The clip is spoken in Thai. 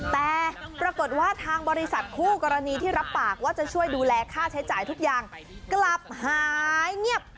แต่ปรากฏว่าทางบริษัทคู่กรณีที่รับปากว่าจะช่วยดูแลค่าใช้จ่ายทุกอย่างกลับหายเงียบ